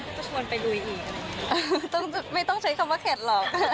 เพื่อจะชวนไปลุยอีกไม่ต้องใช้คำว่าเข็ดหรอก